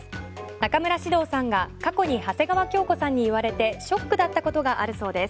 中村獅童さんが過去に長谷川京子さんに言われてショックだったことがあるそうです。